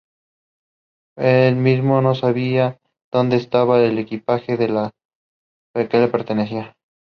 It was also an event on the Sunshine Tour.